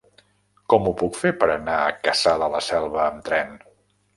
Com ho puc fer per anar a Cassà de la Selva amb tren?